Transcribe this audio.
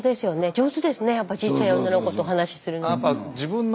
上手ですねやっぱちいちゃい女の子と話するの。